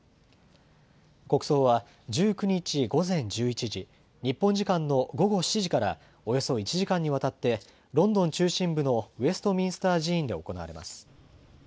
国葬は１９日午前１１時、日本時間の午後７時から、およそ１時間にわたって、ロンドン中心部のウェストミンスター寺院で行われます。